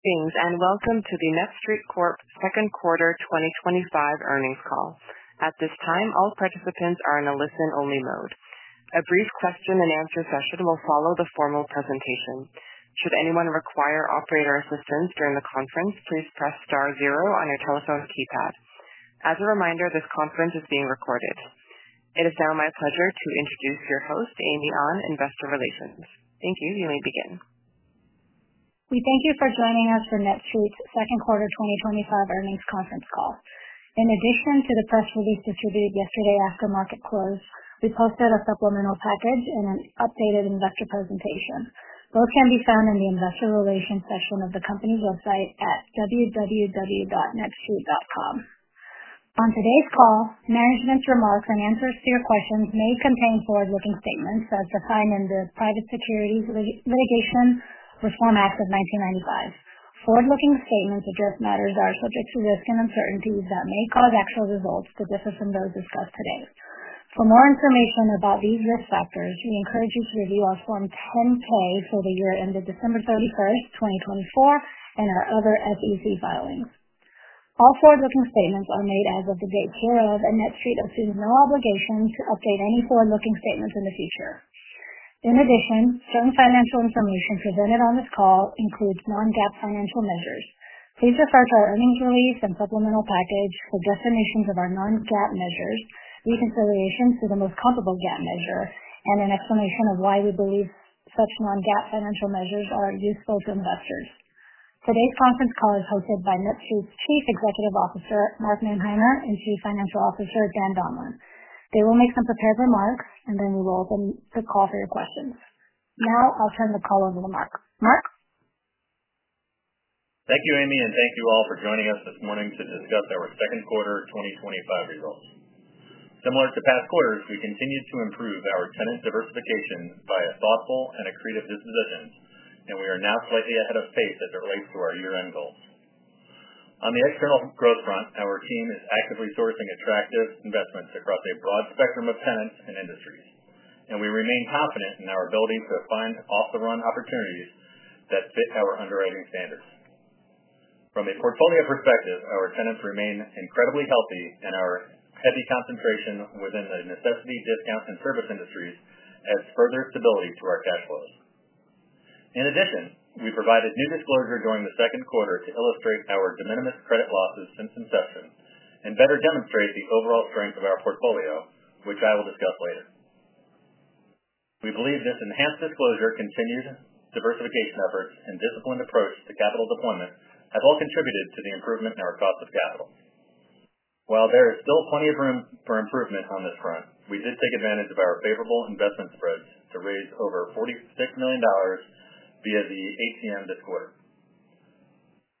morning and welcome to the NETSTREIT Corp second quarter 2025 earnings call. At this time, all participants are in a listen-only mode. A brief question and answer session will follow the formal presentation. Should anyone require operator assistance during the conference, please press star zero on your telephone keypad. As a reminder, this conference is being recorded. It is now my pleasure to introduce your host, Amy An, Investor Relations. Thank you. You may begin. We thank you for joining us for NETSTREIT's second quarter 2025 earnings conference call. In addition to the press release distributed yesterday after market close, we posted a supplemental package and an updated investor presentation. Both can be found in the Investor Relations section of the company's website at www.netstreit.com. On today's call, management's remarks and answers to your questions may contain forward-looking statements that define the Private Securities Litigation Reform Act of 1995. Forward-looking statements address matters that are subject to risk and uncertainties that may cause actual results to differ from those discussed today. For more information about these risk factors, we encourage you to review our Form 10-K for the year ended December 31, 2024, and our other SEC filings. All forward-looking statements are made as of the date hereof, and NETSTREIT assumes no obligation to update any forward-looking statements in the future. In addition, some financial information presented on this call includes non-GAAP financial measures. Please refer to our earnings release and supplemental package for definitions of our non-GAAP measures, reconciliations to the most comparable GAAP measure, and an explanation of why we believe such non-GAAP financial measures are useful to investors. Today's conference call is hosted by NETSTREIT's Chief Executive Officer, Mark Manheimer, and Chief Financial Officer, Dan Donlan. They will make some prepared remarks, and then we will open the call for your questions. Now, I'll turn the call over to Mark. Mark? Thank you, Amy, and thank you all for joining us this morning to discuss our second quarter 2025 results. Similar to past quarters, we continued to improve our tenant diversification by a thoughtful and accretive disposition, and we are now slightly ahead of pace as it relates to our year-end goals. On the external growth front, our team is actively sourcing attractive investments across a broad spectrum of tenants and industries, and we remain confident in our ability to find off-the-run opportunities that fit our underwriting standards. From a portfolio perspective, our tenants remain incredibly healthy, and our heavy concentration within the necessity, discount, and service industries has further stability to our cash flow. In addition, we provided new disclosure during the second quarter to illustrate our de minimis credit losses since investment and better demonstrate the overall strength of our portfolio, which I will discuss later. We believe this enhanced disclosure, continued diversification efforts, and disciplined approach to capital deployment have all contributed to the improvement in our cost of capital. While there is still plenty of room for improvement on this front, we did take advantage of our favorable investment spreads to raise over $46 million via the ATM program this quarter.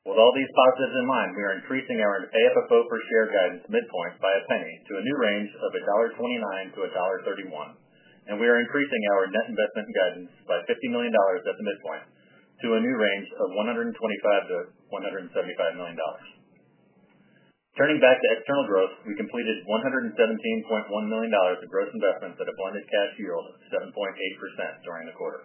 With all these positives in mind, we are increasing our AFFO per share guidance midpoint by a $0.01 to a new range of $1.29-$1.31, and we are increasing our net investment guidance by $50 million at the midpoint to a new range of $125 million-$175 million. Turning back to external growth, we completed $117.1 million of gross investments at a blended cash yield of 7.8% during the quarter.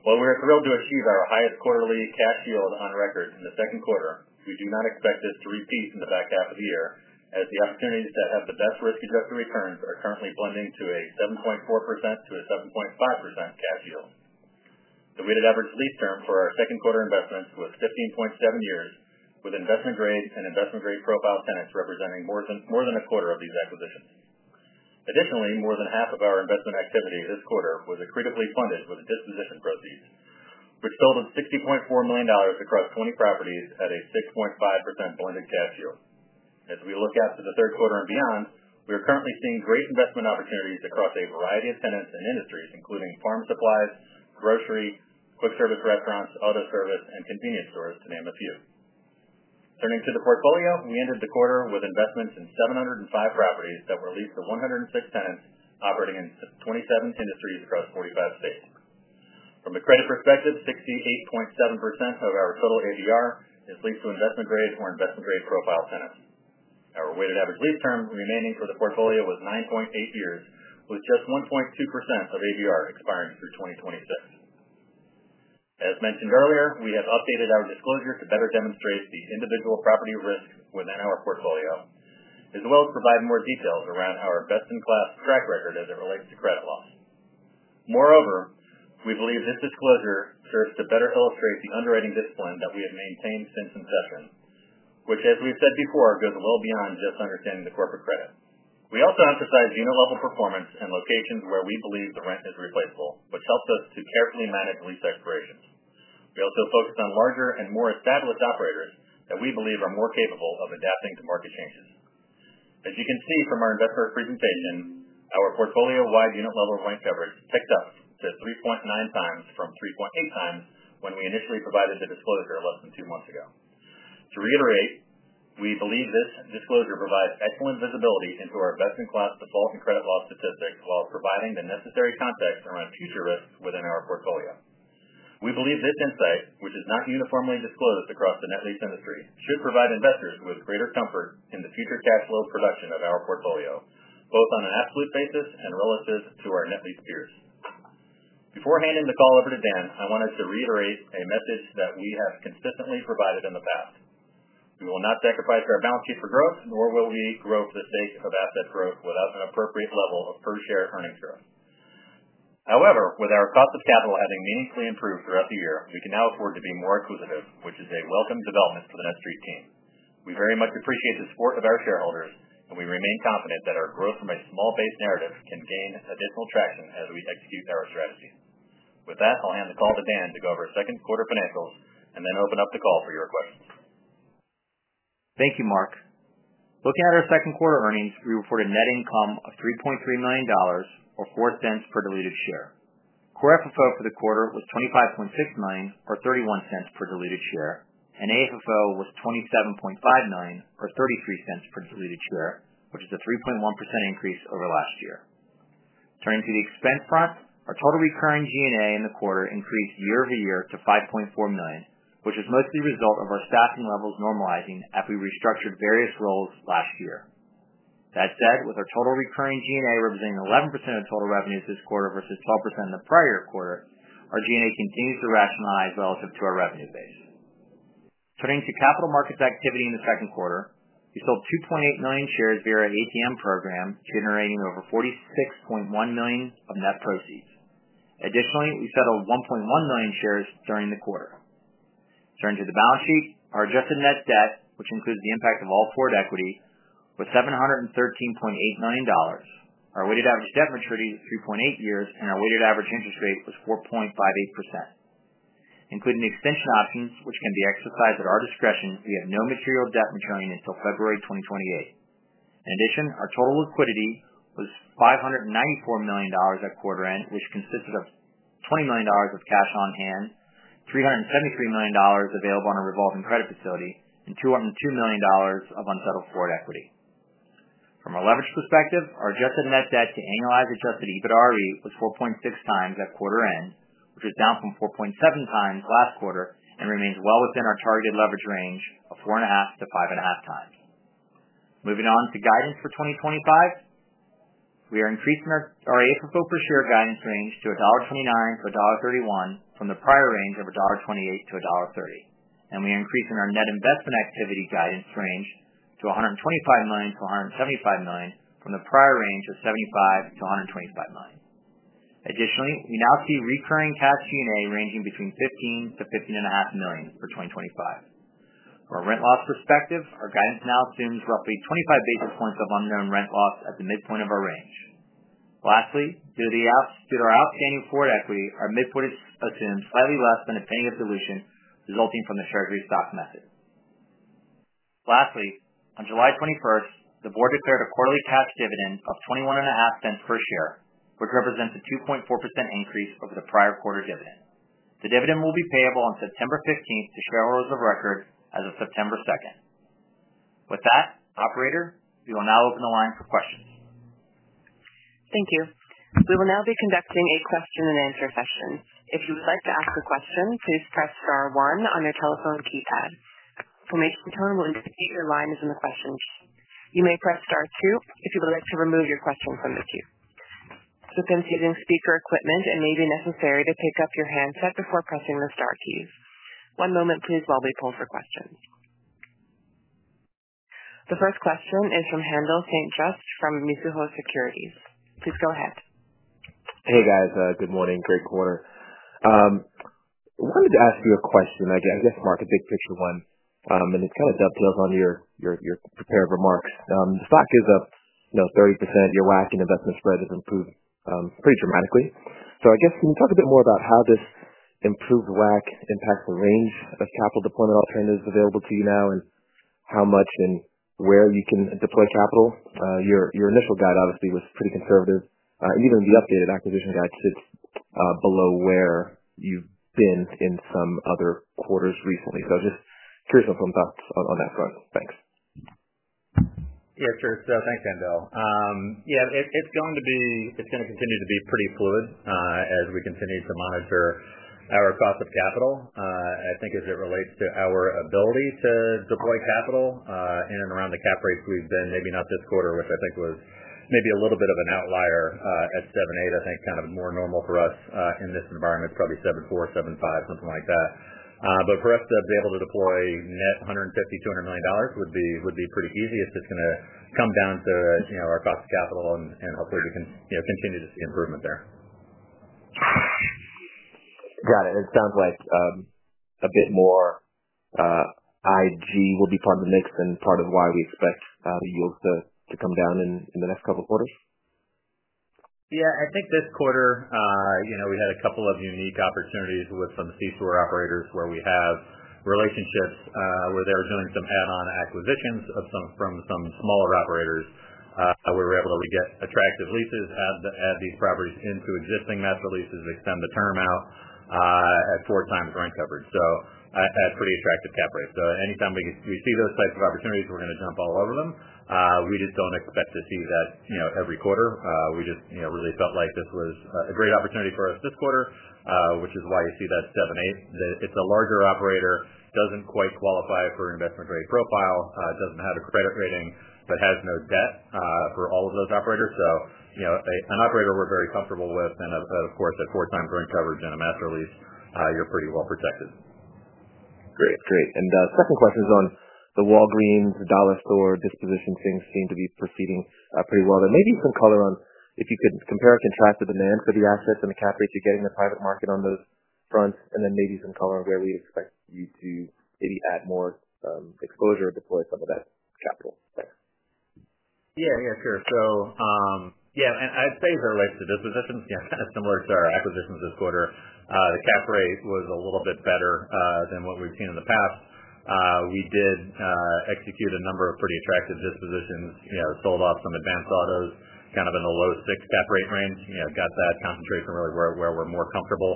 While we are thrilled to achieve our highest quarterly cash yield on record in the second quarter, we do not expect this to repeat in the back half of the year, as the opportunities to have the best risk-adjusted returns are currently blending to a 7.4%-7.5% cash yield. The weighted average lease term for our second quarter investments was 15.7 years, with investment grade and investment grade profile tenants representing more than a quarter of these acquisitions. Additionally, more than half of our investment activity this quarter was accretively funded with disposition proceeds, which totaled $60.4 million across 20 properties at a 6.5% blended cash yield. As we look after the third quarter and beyond, we are currently seeing great investment opportunities across a variety of tenants and industries, including farm supplies, grocery, food service restaurants, auto service, and convenience stores, to name a few. Turning to the portfolio, we ended the quarter with investments in 705 properties that were leased to 106 tenants operating in 27 industries across 45 states. From a credit perspective, 68.7% of our total ABR is leased to investment grade or investment grade profile tenants. Our weighted average lease term remaining for the portfolio was 9.8 years, with just 1.2% of ABR expiring through 2026. As mentioned earlier, we have updated our disclosure to better demonstrate the individual property risks within our portfolio, as well as provide more details around our best-in-class track record as it relates to credit loss. Moreover, we believe this disclosure serves to better illustrate the underwriting discipline that we have maintained since inception, which, as we've said before, goes well beyond just understanding the corporate credit. We also emphasize unit-level performance and locations where we believe the rent is replaceable, which helps us to carefully manage lease expirations. We also focus on larger and more established operators that we believe are more capable of adapting to market changes. As you can see from our investor presentation, our portfolio-wide unit-level rent coverage ticked up to 3.9x from 3.8x when we initially provided the disclosure less than two months ago. To reiterate, we believe this disclosure provides excellent visibility into our best-in-class default and credit loss statistics while providing the necessary context around future risks within our portfolio. We believe this insight, which is not uniformly disclosed across the net lease industry, should provide investors with greater comfort in the future cash flow production of our portfolio, both on an absolute basis and relative to our net lease peers. Before handing the call over to Dan, I wanted to reiterate a message that we have consistently provided in the past. We will not sacrifice our balance sheet for growth, nor will we grow to the stage of asset growth without an appropriate level of per-share earnings growth. However, with our cost of capital having meaningfully improved throughout the year, we can now afford to be more acquisitive, which is a welcome development for the NETSTREIT team. We very much appreciate the support of our shareholders, and we remain confident that our growth from a small-based narrative can gain additional traction as we execute our strategy. With that, I'll hand the call to Dan to go over second quarter financials and then open up the call for your questions. Thank you, Mark. Looking at our second quarter earnings, we reported net income of $3.39 million or $0.04 per share. Core FFO for the quarter was $25.69 million or $0.31 per share, and AFFO was $27.59 million or $0.33 per share, which is a 3.1% increase over last year. Turning to the expense front, our total recurring G&A in the quarter increased year-over-year to $5.4 million, which is mostly a result of our staffing levels normalizing after we restructured various roles last year. That said, with our total recurring G&A representing 11% of total revenues this quarter versus 12% in the prior quarter, our G&A continues to rationalize relative to our revenue base. Turning to capital markets activity in the second quarter, we sold 2.8 million shares via our ATM program, generating over $46.1 million of net proceeds. Additionally, we settled 1.1 million shares during the quarter. Turning to the balance sheet, our adjusted net debt, which includes the impact of all forward equity, was $713.8 million. Our weighted average debt maturity was 3.8 years, and our weighted average interest rate was 4.58%. Including extension options, which can be exercised at our discretion, we have no material debt maturing until February 2028. In addition, our total liquidity was $594 million at quarter end, which consisted of $20 million of cash on hand, $373 million available on a revolving credit facility, and $202 million of unsettled forward equity. From a leverage perspective, our adjusted net debt to annualized adjusted EBITDAre was 4.6x at quarter end, which is down from 4.7x last quarter and remains well within our targeted leverage range of 4.5-5.5x. Moving on to guidance for 2025, we are increasing our AFFO per share guidance range to $1.29-$1.31 from the prior range of $1.28-$1.30. We are increasing our net investment activity guidance range to $125 million-$175 million from the prior range of $75 million-$125 million. Additionally, we now see recurring cash G&A ranging between $15 million-$15.5 million for 2025. From a rent loss perspective, our guidance now assumes roughly 25 basis points of unknown rent loss at the midpoint of our range. Lastly, due to our outstanding forward equity, our midpoint is assumed slightly less than a payment dilution resulting from the shares restock method. Lastly, on July 21, the board declared a quarterly cash dividend of $0.215 per share, which represents a 2.4% increase over the prior quarter dividend. The dividend will be payable on September 15 to shareholders of record as of September 2. With that, operator, we will now open the line for questions. Thank you. We will now be conducting a question and answer session. If you'd like to ask a question, please press star one on your telephone keypad. To make the turn will exceed your line is in the questions. You may press star two if you would like to remove your question from the queue. With continuous speaker equipment, it may be necessary to take up your handset before pressing the star keys. One moment, please, while we poll for questions. The first question is from Haendel St. Juste from Mizuho Securities. Please go ahead. Hey guys, good morning, great quarter. I wanted to ask you a question, I guess, Mark, a big picture one, and it kind of dovetails on your prepared remarks. The fact is, you know, 30% your WAC investment spread has improved pretty dramatically. I guess can you talk a bit more about how this improved WAC impacts the range of capital deployment alternatives available to you now and how much and where you can deploy capital? Your initial guide, obviously, was pretty conservative. Even the updated acquisition guide sits below where you've been in some other quarters recently. I was just curious on some thoughts on that front. Thanks. Yeah, sure. Thanks, Haendel. It's going to continue to be pretty fluid as we continue to monitor our cost of capital. I think as it relates to our ability to deploy capital in and around the cap rates we've been, maybe not this quarter, which I think was maybe a little bit of an outlier, at 7.8%, I think kind of more normal for us in this environment is probably 7.4%, 7.5%, something like that. For us to be able to deploy net $150 million-$200 million would be pretty easy. It's just going to come down to our cost of capital and hopefully we can continue to see improvement there. Got it. It sounds like a bit more IG will be part of the mix and part of why we expect yields to come down in the next couple of quarters? Yeah, I think this quarter, you know, we had a couple of unique opportunities with some C-store operators where we have relationships where they were doing some add-on acquisitions from some smaller operators. We were able to get attractive leases, add these properties into existing net leases, extend the term out at four times rent coverage, at pretty attractive cap rates. Anytime we see those types of opportunities, we're going to jump all over them. We just don't expect to see that every quarter. We just really felt like this was a great opportunity for us this quarter, which is why you see that 7.8%. It's a larger operator, doesn't quite qualify for investment grade profile, doesn't have a credit rating, but has no debt for all of those operators. An operator we're very comfortable with and, of course, a four-time rent coverage net lease, you're pretty well protected. Great, great. The second question is on the Walgreens, the Dollar Store disposition. Things seem to be proceeding pretty well. There may be some color on if you could compare and contrast the demand for the assets and the cap rates you're getting in the private market on those fronts, and then maybe some color on where we expect you to maybe add more exposure or deploy some of that capital. Yeah, sure. I'd say as it relates to dispositions, similar to our acquisitions this quarter, the cap rate was a little bit better than what we've seen in the past. We did execute a number of pretty attractive dispositions, sold off some Advance Autos, kind of in a low 6% cap rate range, got that concentration really where we're more comfortable.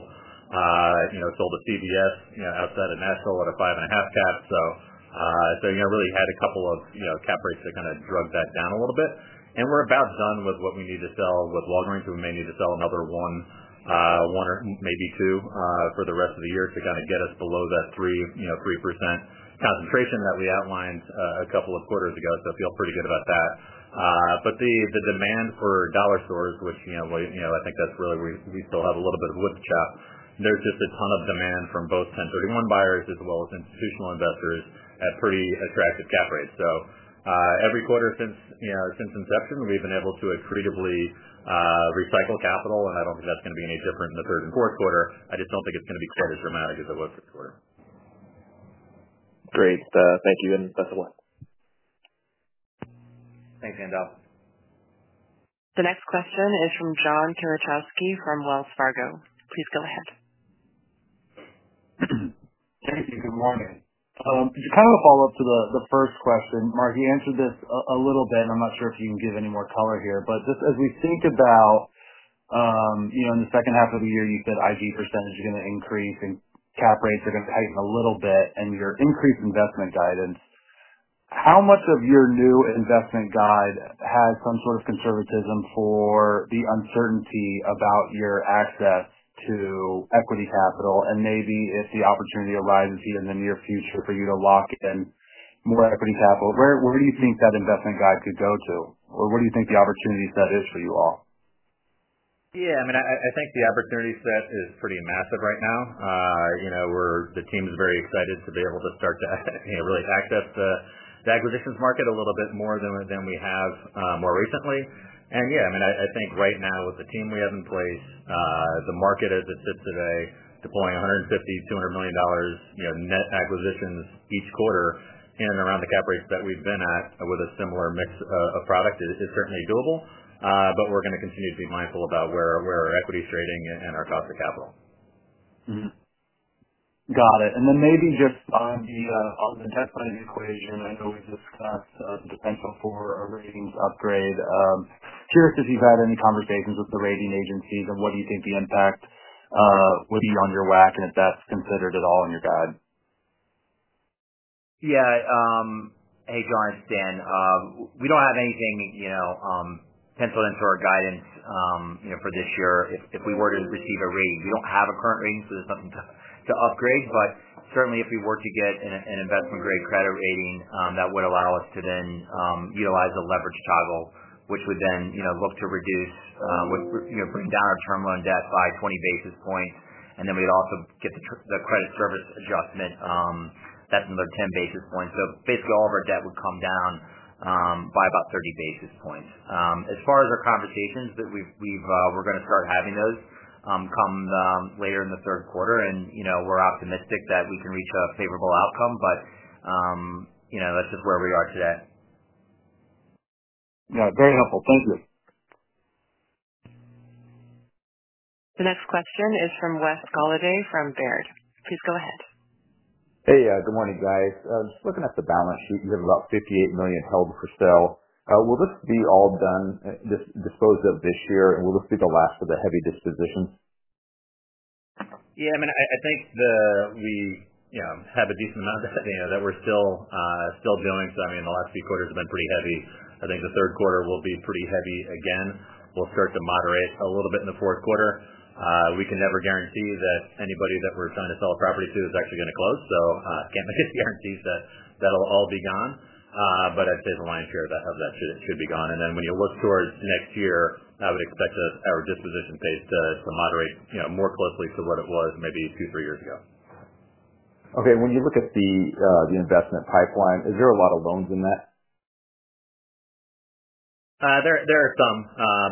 Sold a CVS outside of Nashville at a 5.5% cap. Really had a couple of cap rates that kind of dragged that down a little bit. We're about done with what we need to sell with Walgreens. We may need to sell another one, one or maybe two for the rest of the year to get us below that 3% concentration that we outlined a couple of quarters ago. I feel pretty good about that. The demand for Dollar Store, which I think that's really where we still have a little bit of a whip shot, there's just a ton of demand from both 1031 buyers as well as institutional investors at pretty attractive cap rates. Every quarter since inception, we've been able to accretively recycle capital, and I don't think that's going to be any different in the third and fourth quarter. I just don't think it's going to be started dramatically as it was this quarter. Great. Thank you and best of luck. Thanks, Haendel. The next question is from John Kilichowski from Wells Fargo. Please go ahead. Thank you. Good morning. Just kind of a follow-up to the first question. Mark, you answered this a little bit, and I'm not sure if you can give any more color here, but as we think about, you know, in the second half of the year, you've got IG % you're going to increase and cap rates are going to tighten a little bit and your increased investment guidance. How much of your new investment guide has some sort of conservatism for the uncertainty about your access to equity capital and maybe if the opportunity arises even in the near future for you to lock in more equity capital? Where do you think that investment guide could go to? What do you think the opportunity set is for you all? Yeah, I mean, I think the opportunity set is pretty massive right now. The team is very excited to be able to start to really access the acquisitions market a little bit more than we have more recently. I think right now with the team we have in place, the market as it sits today, deploying $150-$200 million net acquisitions each quarter in and around the cap rates that we've been at with a similar mix of product is certainly doable. We're going to continue to be mindful about where our equity is trading and our cost of capital. Got it. Maybe just on the debt funding equation, I know we've discussed our potential for a ratings upgrade. Curious if you've had any conversations with the rating agencies and what do you think the impact would be on your WAC and if that's considered at all in your guide? Yeah, hey guys, Dan, we don't have anything penciled in for our guidance for this year. If we were to receive a rating, we don't have a current rating, so there's nothing to upgrade. Certainly, if we were to get an investment grade credit rating, that would allow us to then utilize a leverage toggle, which would then look to reduce, bring down our term loan debt by 20 basis points. We'd also get the credit service adjustment. That's another 10 basis points. Basically, all of our debt would come down by about 30 basis points. As far as our conversations, we're going to start having those come later in the third quarter. We're optimistic that we can reach a favorable outcome, but that's just where we are today. Yeah, very helpful. Thank you. The next question is from Wes Golladay from Baird. Please go ahead. Hey, good morning guys. I'm just looking at the balance sheet. We have about $58 million held for sale. Will this be all done disposed of this year? Will this be the last of the heavy dispositions? Yeah, I mean, I think we have a decent amount that we're still dealing with. The last few quarters have been pretty heavy. I think the third quarter will be pretty heavy again. We'll start to moderate a little bit in the fourth quarter. We can never guarantee that anybody that we're trying to sell a property to is actually going to close. I can't make any guarantees that that'll all be gone. I'd say the line appeared to have that should be gone. When you look towards next year, I would expect our disposition phase to moderate more closely to what it was maybe two, three years ago. Okay. When you look at the investment pipeline, is there a lot of loans in that? There are some,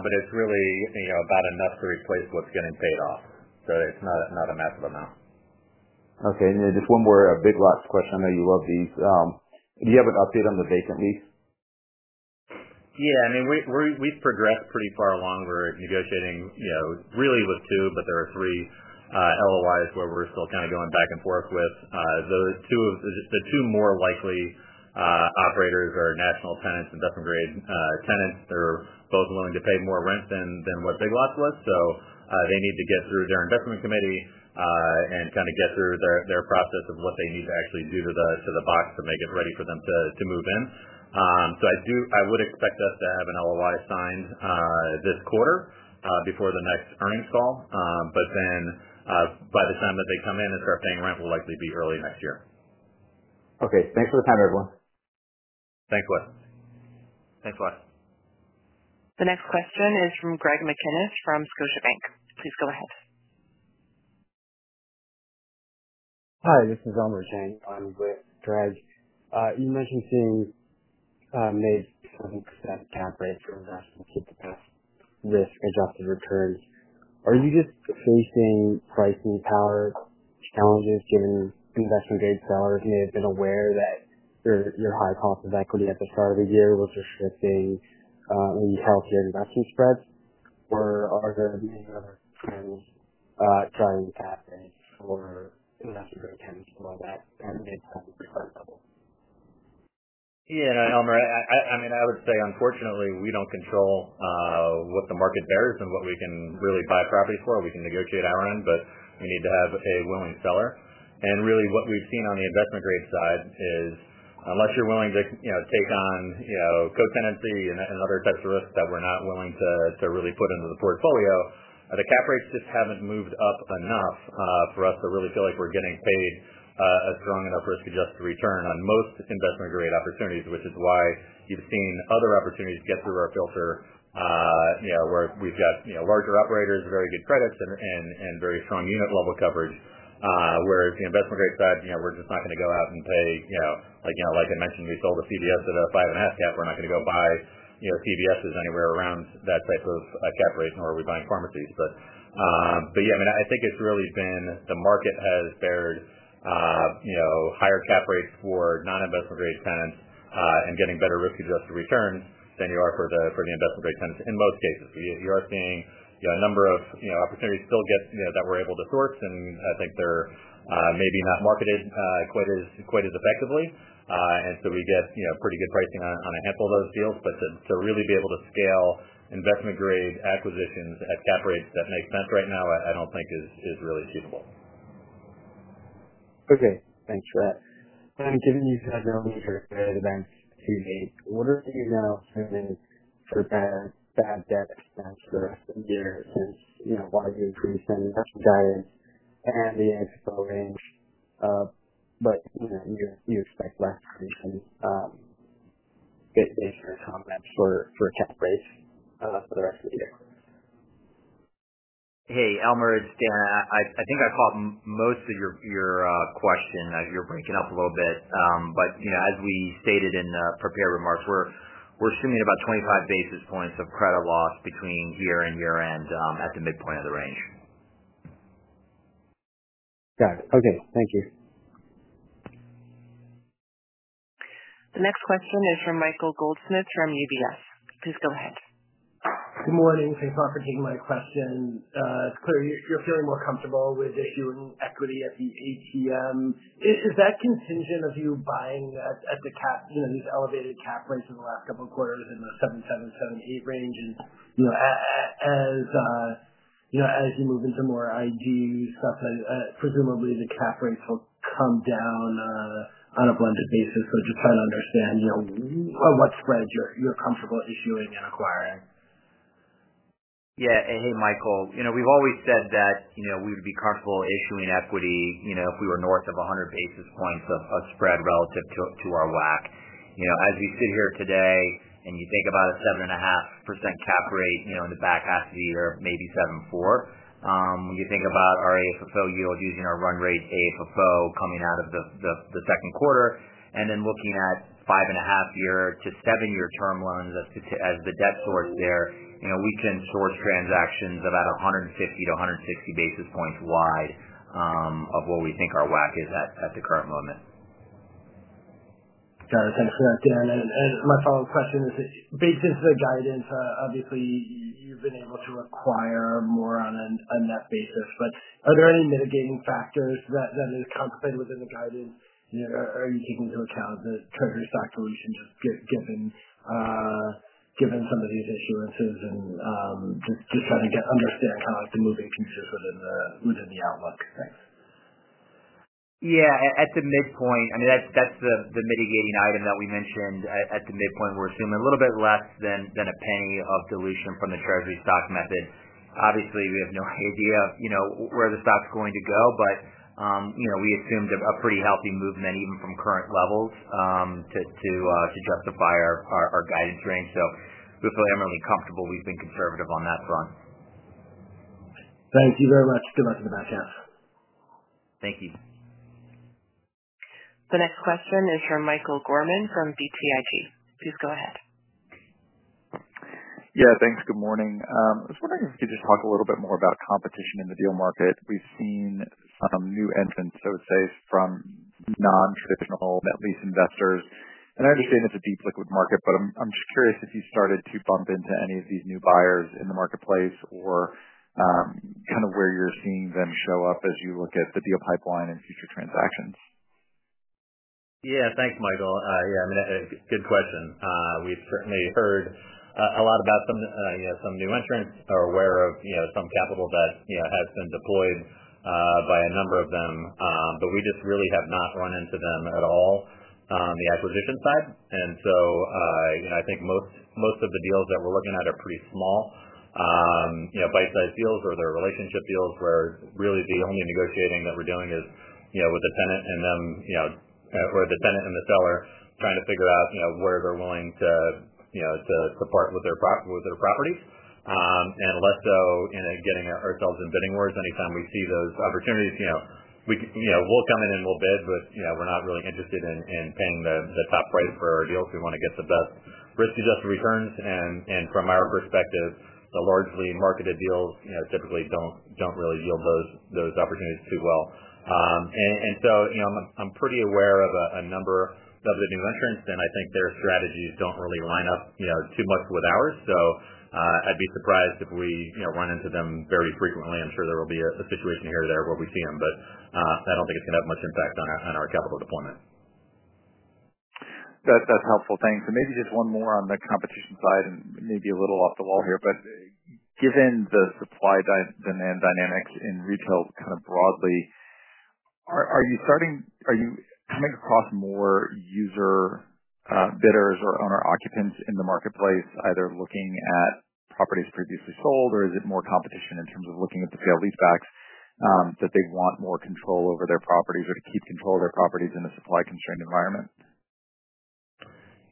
but it's really about enough to replace what's getting paid off. It's not a massive amount. Okay. Just one more big last question. I know you love these. Do you have an update on the vacant lease? Yeah, I mean, we've progressed pretty far along. We're negotiating, you know, really with two, but there are three LOIs where we're still kind of going back and forth with. Those two are just the two more likely operators, are national tenants and investment grade tenants. They're both willing to pay more rent than what Big Lots was. They need to get through their investment committee and kind of get through their process of what they need to actually do to the box to make it ready for them to move in. I would expect us to have an LOI signed this quarter before the next earnings call. By the time that they come in and start paying rent, we'll likely be early next year. Okay, thanks for the time, everyone. Thanks, Wes. Thanks, Wes. The next question is from Greg McGinniss from Scotiabank. Please go ahead. Hi, this is Elmer Chang. I'm with Greg. You mentioned seeing a major 10% cap rate to reverse and keep the best risk of loss of returns. Are you just facing pricing power challenges given investment grade sellers may have been aware that your high cost of equity at the start of the year was restricting when you probably had investment spreads? Are there any other trends driving costs? Yeah, I would say unfortunately, we don't control what the market bears and what we can really buy properties for. We can negotiate our end, but you need to have a willing seller. What we've seen on the investment grade side is unless you're willing to take on co-tenancy and other types of risks that we're not willing to really put into the portfolio, the cap rates just haven't moved up enough for us to really feel like we're getting paid a strong enough risk-adjusted return on most investment grade opportunities, which is why you've seen other opportunities get through our filter where we've got larger operators, very good credits, and very strong unit-level coverage. Whereas the investment grade side, we're just not going to go out and pay, like I mentioned, we sold a CVS at a 5.5% cap. We're not going to go buy CVSs anywhere around that type of cap rate nor are we buying pharmacies. I think it's really been the market has bared higher cap rates for non-investment grade tenants and getting better risk-adjusted returns than you are for the investment grade tenants in most cases. You are seeing a number of opportunities still get that we're able to source, and I think they're maybe not marketed quite as effectively. We get pretty good pricing on a nipple of those deals. To really be able to scale investment grade acquisitions at cap rates that make sense right now, I don't think is really suitable. Okay. Thanks, Wes. Given you've had relatively very quiet events two days, what are the driving for that bad debt for the rest of the year? You know, why the increase in investment guidance and then the exposing? You know, you expect less reason to increase your comments for cap rates for the rest of the year. Hey, Elmer, it's Dan. I think I caught most of your question. You're breaking up a little bit. As we stated in the prepared remarks, we're assuming about 25 basis points of credit loss between year and year end at the midpoint of the range. Got it. Okay. Thank you. The next question is from Michael Goldsmith from UBS. Please go ahead. Good morning. Thanks for offering my question. It's clear you're feeling more comfortable with issuing equity at the ATM. Is that contingent on you buying at the cap, you know, these elevated cap rates in the last couple of quarters in the 7.7%, 7.8% range? As you move into more investment grade stuff, presumably the cap rates will come down on a blended basis. Just trying to understand what spreads you're comfortable issuing and acquiring. Yeah. Hey, Michael, you know, we've always said that, you know, we would be comfortable issuing equity if we were north of 100 basis points of spread relative to our WAC. As you sit here today and you think about a 7.5% cap rate, in the back half of the year, maybe 7.4%. When you think about our AFFO yield using our run rate AFFO coming out of the second quarter, and then looking at five and a half year to seven-year term loans as the debt source there, we can source transactions about 150 basis point-160 basis points wide of what we think our WAC is at the current moment. Got it. Thanks for that, Dan. My follow-up question is, it makes sense that guidance, obviously, you've been able to acquire more on a net basis, but are there any mitigating factors that are calculated within the guidance? You know, are you taking into account the treasury stock releasing given some of these issues? This is probably an unnecessary cost to move in futures within the outlook. Thanks. At the midpoint, that's the mitigating item that we mentioned. At the midpoint, we're assuming a little bit less than $0.01 of dilution from the treasury stock method. Obviously, we have no idea where the stock's going to go, but we assumed a pretty healthy movement even from current levels to justify our guidance range. We feel eminently comfortable we've been conservative on that front. Thank you very much. Good luck in the back half. Thank you. The next question is from Michael Gorman from BTIG. Please go ahead. Yeah, thanks. Good morning. I was wondering if you could just talk a little bit more about competition in the deal market. We've seen some new entrants, to say, from non-traditional net lease investors. I understand it's a deep, liquid market, but I'm curious if you started to bump into any of these new buyers in the marketplace or where you're seeing them show up as you look at the deal pipeline and future transactions. Yeah, thanks, Michael. Yeah, I mean, it's a good question. We've certainly heard a lot about some new entrants or are aware of some capital that has been deployed by a number of them, but we just really have not run into them at all on the acquisition side. I think most of the deals that we're looking at are pretty small, bite-sized deals or they're relationship deals where really the only negotiating that we're doing is with the tenant and them, or the tenant and the seller trying to figure out where they're willing to part with their properties. Less so in getting ourselves in bidding wars anytime we see those opportunities. We'll come in and we'll bid, but we're not really interested in paying the top price for our deals. We want to get the best risk-adjusted returns. From our perspective, the largely marketed deals typically don't really yield those opportunities too well. I'm pretty aware of a number of the new entrants, and I think their strategies don't really line up too much with ours. I'd be surprised if we run into them very frequently. I'm sure there will be a situation here or there where we see them, but I don't think it's going to have much impact on our capital deployment. That's helpful. Thanks. Maybe just one more on the competition side, maybe a little off the wall here, but given the supply-demand dynamics in retail kind of broadly, are you coming across more user bidders or owner occupants in the marketplace, either looking at properties previously sold, or is it more competition in terms of looking at the sale leasebacks that they want more control over their properties or to keep control of their properties in a supply-constrained environment?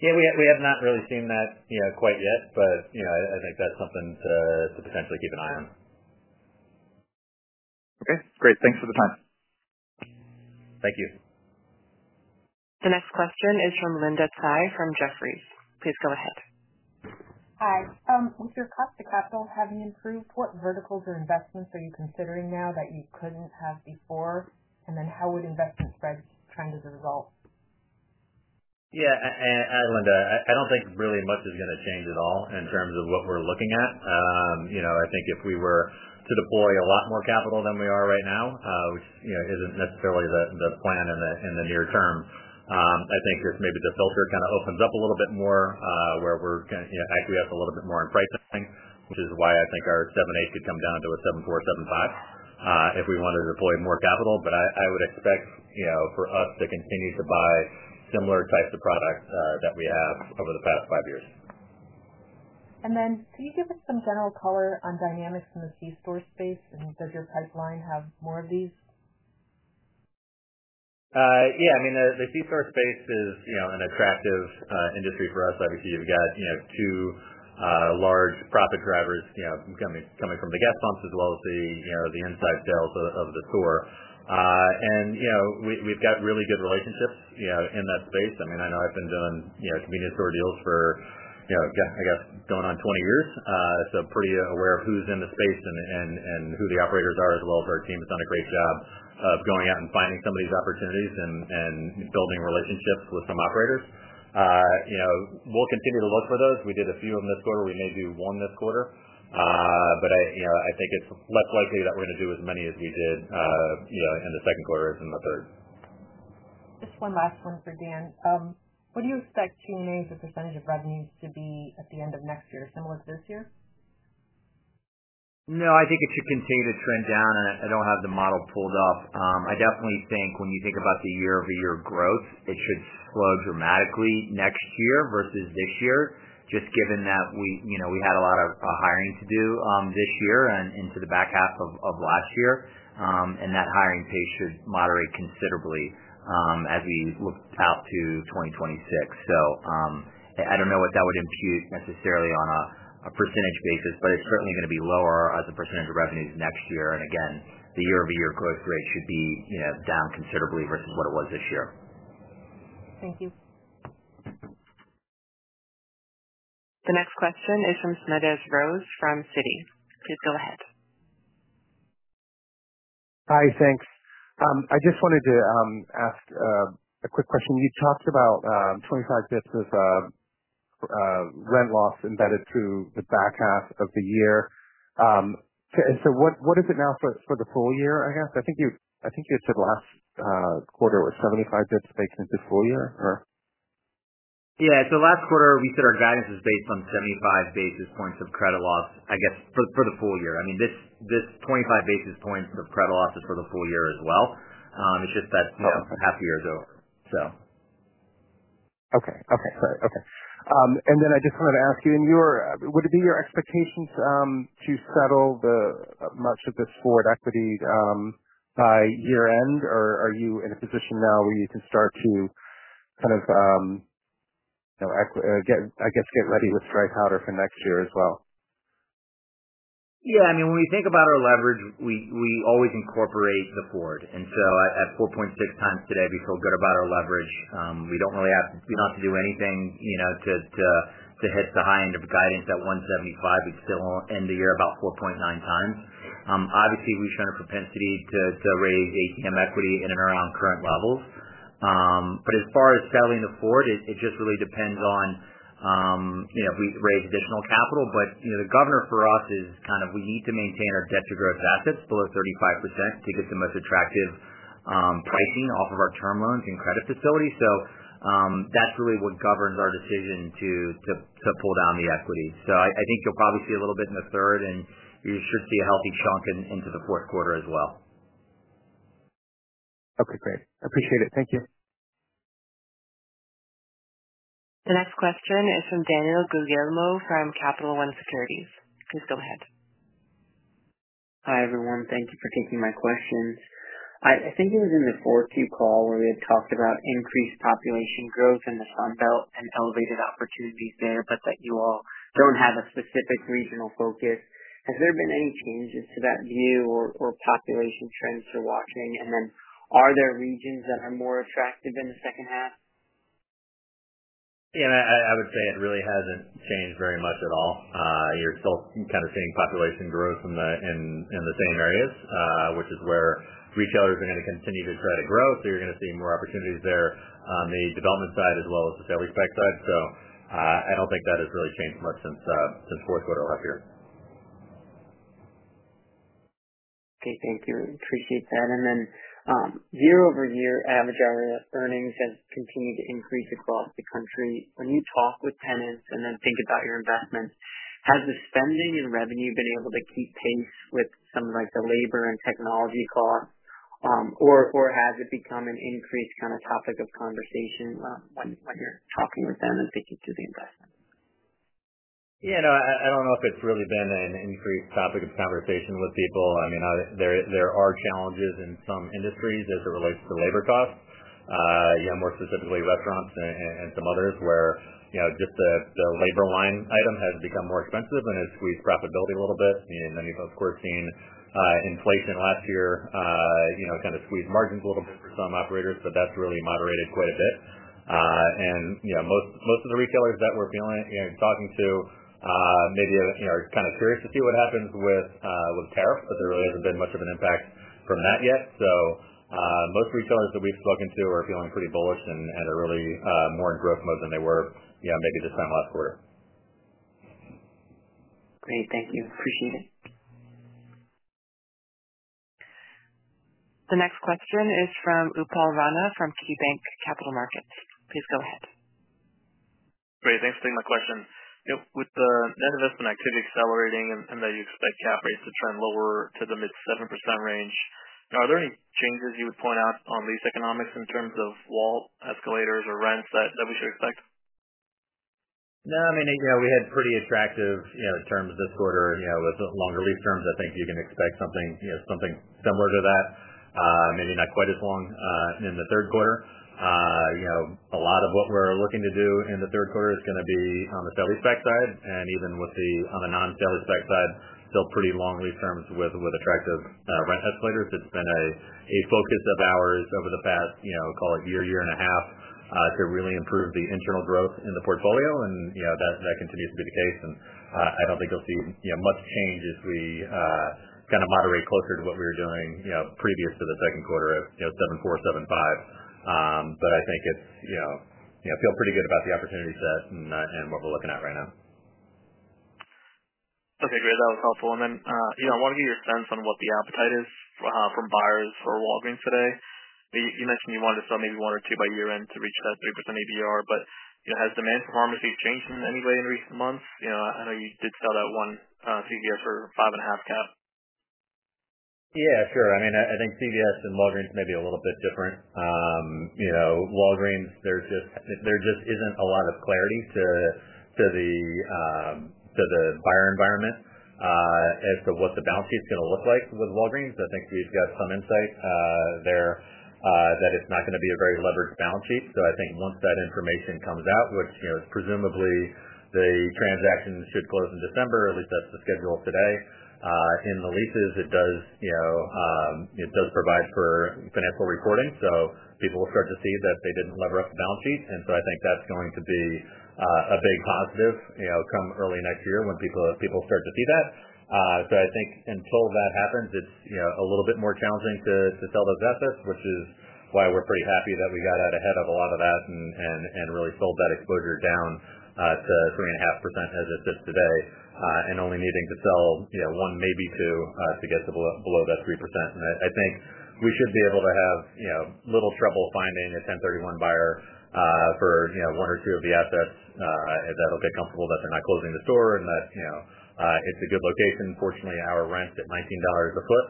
We have not really seen that quite yet, but I think that's something to potentially keep an eye on. Okay. Great. Thanks for the time. Thank you. The next question is from Linda Tsai from Jefferies. Please go ahead. Hi. With your cost of capital having increased, what verticals or investments are you considering now that you couldn't have before, and how would investment spread trend evolve? Yeah, Linda, I don't think really much is going to change at all in terms of what we're looking at. I think if we were to deploy a lot more capital than we are right now, which isn't necessarily the plan in the near term, if maybe the filter kind of opens up a little bit more, we're going to, you know, IQS a little bit more in pricing, which is why I think our 7.8% could come down to a 7.4%, 7.5% if we wanted to deploy more capital. I would expect for us to continue to buy similar types of products that we have over the past five years. Can you give us some general color on dynamics in the C-store space, and does your pipeline have more of these? Yeah, I mean, the C-store space is an attractive industry for us. Obviously, you've got two large profit drivers coming from the gas pumps as well as the inside sales of the store. We've got really good relationships in that space. I know I've been doing convenience store deals for, I guess, going on 20 years. I'm pretty aware of who's in the space and who the operators are, as well as our team has done a great job of going out and finding some of these opportunities and building relationships with some operators. We'll continue to look for those. We did a few in this quarter. We may do one this quarter. I think it's less likely that we're going to do as many as we did in the second quarter as in the third. Just one last one for Dan. What do you expect G&A's percentage of revenues to be at the end of next year, similar to this year? No, I think it should continue to trend down. I don't have the model pulled up. I definitely think when you think about the year-over-year growth, it should slow dramatically next year versus this year, just given that we had a lot of hiring to do this year and into the back half of last year. That hiring pace should moderate considerably as we look out to 2026. I don't know what that would infuse necessarily on a % basis, but it's certainly going to be lower as a % of revenues next year. Again, the year-over-year growth rate should be down considerably versus what it was this year. Thank you. The next question is from Smedes Rose from Citi. Please go ahead. Hi, thanks. I just wanted to ask a quick question. You talked about 25 bps of rent loss embedded through the back half of the year. What is it now for the full year, I guess? I think you said last quarter was 75 bps based on the full year, or? Yeah, so last quarter we said our guidance is based on 75 basis points of credit loss, I guess, for the full year. I mean, this 25 basis points of credit loss is for the full year as well. It's just that half a year is over, so. Okay. I just wanted to ask you, would it be your expectations to settle much of this forward equity by year-end, or are you in a position now where you can start to kind of get, I guess, get ready with dry powder for next year as well? Yeah, I mean, when we think about our leverage, we always incorporate the forward. At 4.6x today, we feel good about our leverage. We don't really have to, we don't have to do anything, you know, to hit the high end of guidance at $175 million. We'd still end the year about 4.9x. Obviously, we showed a propensity to raise ATM equity in and around current levels. As far as selling the forward, it just really depends on, you know, if we raise additional capital. The governor for us is kind of, we need to maintain our debt-to-gross assets below 35% to get the most attractive pricing off of our term loans and credit facilities. That's really what governs our decision to pull down the equities. I think you'll probably see a little bit in the third, and you should see a healthy chunk into the fourth quarter as well. Okay, great. I appreciate it. Thank you. The next question is from Daniel Guglielmo from Capital One Securities. Please go ahead. Hi everyone, thank you for taking my questions. I think it was in the fourth Q call where we had talked about increased population growth in the Sun Belt and elevated opportunities there, but that you all don't have a specific regional focus. Has there been any changes to that view or population trends you're watching? Are there regions that are more attractive in the second half? Yeah, I would say it really hasn't changed very much at all. You're still kind of seeing population growth in the same areas, which is where retailers are going to continue to try to grow, so you're going to see more opportunities there on the development side as well as the sale respect side. I don't think that has really changed much since the fourth quarter of last year. Okay, thank you. I appreciate that. Year-over-year average area earnings has continued to increase across the country. When you talk with tenants and then think about your investments, has the spending and revenue been able to keep pace with some of the labor and technology costs, or has it become an increased kind of topic of conversation when you're talking with them and thinking through the investment? Yeah, I don't know if it's really been an increased topic of conversation with people. I mean, there are challenges in some industries as it relates to labor costs, more specifically, restaurants and some others where just the labor line item has become more expensive and has squeezed profitability a little bit. You've, of course, seen inflation last year kind of squeeze margins a little bit for some operators, so that's really moderated quite a bit. Most of the retailers that we're talking to maybe are kind of curious to see what happens with tariffs, but there really hasn't been much of an impact from that yet. Most retailers that we've spoken to are feeling pretty bullish and are really more in growth mode than they were maybe this time last quarter. Great, thank you. Appreciate it. The next question is from Upal Rana from KeyBanc Capital Markets. Please go ahead. Great, thanks for taking my question. With the net investment activity accelerating and that you expect cap rates to trend lower to the mid-7% range, are there any changes you would point out on lease economics in terms of wall escalators or rents that we should expect? I mean, we had pretty attractive terms this quarter. With longer lease terms, I think you can expect something similar to that, maybe not quite as long in the third quarter. A lot of what we're looking to do in the third quarter is going to be on the sale respect side, and even on the non-sale respect side, still pretty long lease terms with attractive rent escalators. It's been a focus of ours over the past year, year and a half to really improve the internal growth in the portfolio, and that continues to be the case. I don't think you'll see much change as we kind of moderate closer to what we were doing previous to the second quarter of 7.4%, 7.5%. I feel pretty good about the opportunity set and what we're looking at right now. Okay, great. That was helpful. I want to get your sense on what the appetite is from buyers for Walgreens today. You mentioned you wanted to sell maybe one or two by year end to reach that 3% ABR, but has demand performance changed in any way in recent months? I know you did sell that one a year for 5.5% cap. Yeah, sure. I mean, I think CVS and Walgreens may be a little bit different. Walgreens, there just isn't a lot of clarity to the buyer environment as to what the balance sheet is going to look like with Walgreens. I think these guys have insight there that it's not going to be a very leveraged balance sheet. I think once that information comes out, which, presumably the transaction should close in December, or at least that's the schedule today in the leases, it does provide for financial reporting. People will start to see that they didn't lever up the balance sheet. I think that's going to be a big positive, come early next year when people start to see that. I think until that happens, it's a little bit more challenging to sell those assets, which is why we're pretty happy that we got out ahead of a lot of that and really pulled that exposure down to 3.5% as it sits today and only needing to sell one maybe to get below that 3%. I think we should be able to have little trouble finding a 1031 buyer for one or two of the assets that'll get comfortable that they're not closing the store and that it's a good location. Fortunately, our rent at $19 a foot,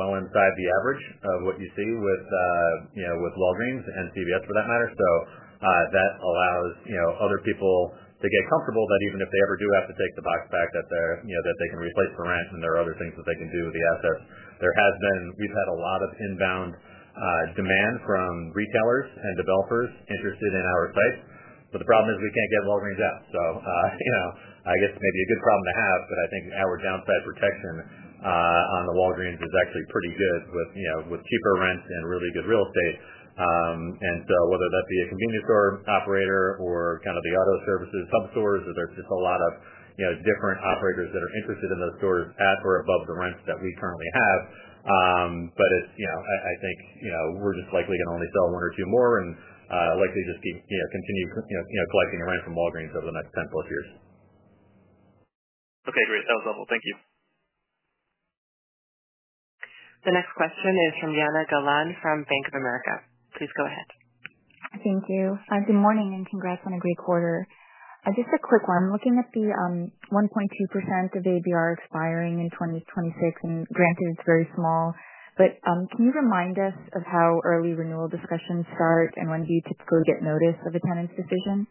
well inside the average of what you see with Walgreens and CVS for that matter. That allows other people to get comfortable that even if they ever do have to take the box back, they can replace for rent and there are other things that they can do with the assets. There has been, we've had a lot of inbound demand from retailers and developers interested in our sites. The problem is we can't get Walgreens out. I guess maybe a good problem to have, but I think our downside protection on the Walgreens is actually pretty good with cheaper rents and really good real estate. Whether that be a convenience store operator or kind of the auto services hub stores, there's just a lot of different operators that are interested in those stores at or above the rents that we currently have. I think we're just likely going to only sell one or two more and likely just keep, continue collecting your money from Walgreens over the next 10+ years. Okay, great. That was helpful. Thank you. The next question is from Jana Galan from Bank of America. Please go ahead. Thank you. Good morning and congrats on a great quarter. Just a quick one. I'm looking to see 1.2% of ABR expiring in 2026, and granted it's very small, but can you remind us of how early renewal discussions start and when do you typically get notice of a tenant's decision?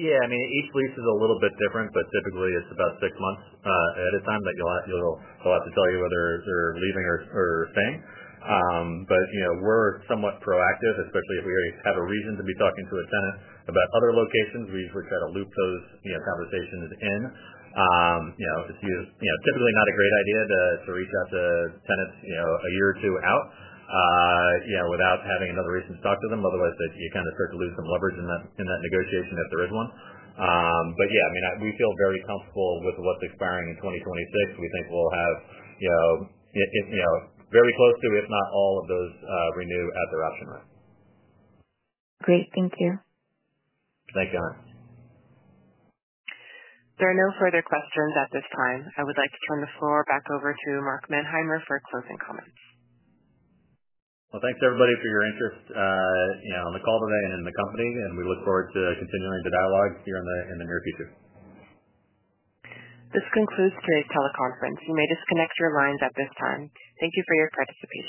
Yeah, I mean, each lease is a little bit different, but typically it's about six months ahead of time that you'll have to tell you whether you're leaving or staying. We're somewhat proactive, especially if we have a reason to be talking to a tenant about other locations. We try to loop those conversations in. It's typically not a great idea to reach out to tenants a year or two out without having another reason to talk to them. Otherwise, basically, you kind of start to lose some leverage in that negotiation if there is one. Yeah, I mean, we feel very comfortable with what's expiring in 2026. We think we'll have very close to, if not all, of those renew at the rushing rate. Great, thank you. Thank you. There are no further questions at this time. I would like to turn the floor back over to Mark Manheimer for closing comments. Thank you everybody for your interest on the call today and in the company, and we look forward to continuing the dialogue here in the near future. This concludes today's teleconference. We may disconnect your lines at this time. Thank you for your participation.